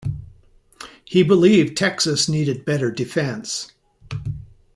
He believed Texas needed better defense.